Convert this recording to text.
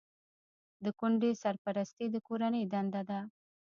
د کونډې سرپرستي د کورنۍ دنده ده.